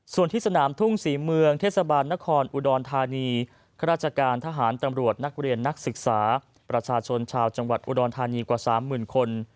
ส่วนที่สนามทุ่งศรีเมืองเทศบาลนครอุดรธานีข้าราชการทหารตำรวจนักเรียนนักศึกษาประชาชนชาวจังหวัดอุดรธานีกว่า๓๐๐๐คน